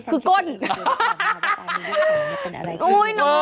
โอ๊ยน้อง